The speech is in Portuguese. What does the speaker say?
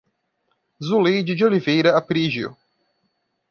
Zuleide de Oliveira Aprigio